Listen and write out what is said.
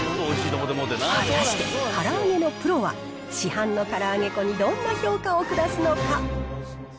果たして、から揚げのプロは市販のから揚げ粉にどんな評価を下すのか。